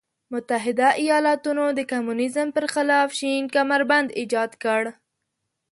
متحده ایالتونو د کمونیزم پر خلاف شین کمربند ایجاد کړ.